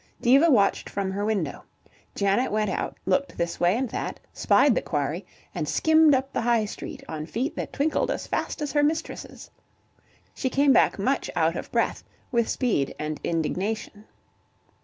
Diva watched from her window. Janet went out, looked this way and that, spied the quarry, and skimmed up the High Street on feet that twinkled as fast as her mistress's. She came back much out of breath with speed and indignation.